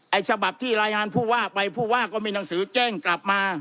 ฉบับที่รายงานผู้ว่าไปผู้ว่าก็มีหนังสือแจ้งกลับมา